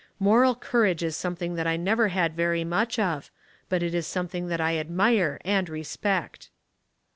Moral courage is something that I never had very much of, but it is something that I admire and respect."